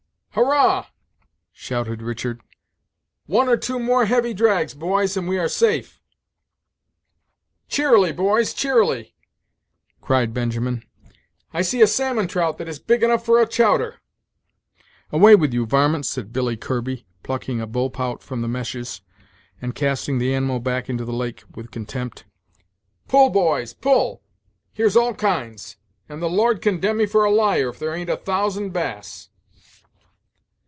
"Hurrah!" shouted Richard: "one or two more heavy drags, boys, and we are safe." "Cheerily, boys, cheerily!" cried Benjamin; "I see a salmon trout that is big enough for a chowder." "Away with you, you varmint!" said Billy Kirby, plucking a bullpout from the meshes, and casting the animal back into the lake with contempt. "Pull, boys, pull; here's all kinds, and the Lord condemn me for a liar, if there ain't a thousand bass!"